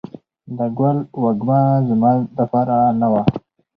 د ګل وږمه زما دپار نه وه